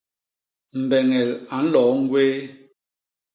Mbeñel a nloo ñgwéé.